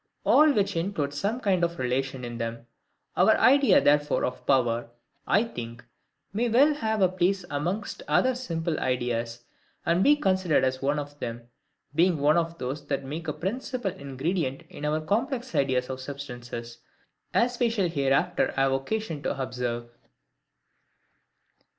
All which include some kind of relation in them. Our idea therefore of power, I think, may well have a place amongst other SIMPLE IDEAS, and be considered as one of them; being one of those that make a principal ingredient in our complex ideas of substances, as we shall hereafter have occasion to observe.